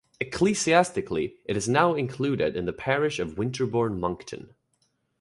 Ecclesiastically it is now included in the parish of Winterborne Monkton.